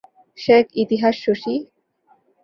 সে এক ইতিহাস শশী।